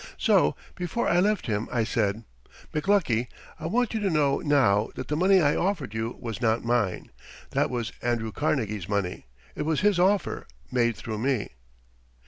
So before I left him, I said, "McLuckie, I want you to know now that the money I offered you was not mine. That was Andrew Carnegie's money. It was his offer, made through me."